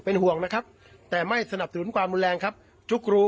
ห่วงนะครับแต่ไม่สนับสนุนความรุนแรงครับทุกรู